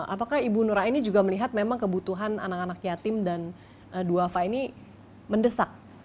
apakah ibu nuraini juga melihat memang kebutuhan anak anak yatim dan duafa ini mendesak